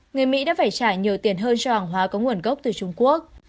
người mỹ đã phải trả nhiều tiền hơn cho hàng hóa có nguồn gốc từ trung quốc